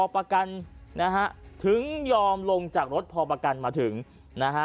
ประกันนะฮะถึงยอมลงจากรถพอประกันมาถึงนะฮะ